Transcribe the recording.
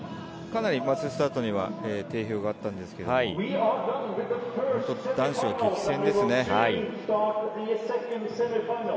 マススタートには定評があったんですけれども、男子は激戦ですね。